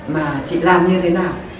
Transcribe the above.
mà chị làm như thế nào